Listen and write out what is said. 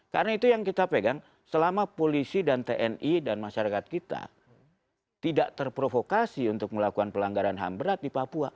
karena itu yang kita pegang selama polisi dan tni dan masyarakat kita tidak terprovokasi untuk melakukan pelanggaran ham berat di papua